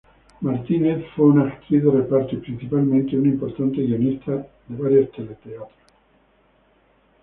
Martínez fue una actriz de reparto y, principalmente, una importante guionista de varios teleteatros.